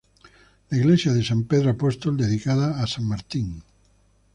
La iglesia de San Pedro Apóstol, dedicada a San Martín.